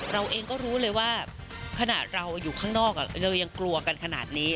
เราเองก็รู้เลยว่าขนาดเราอยู่ข้างนอกเรายังกลัวกันขนาดนี้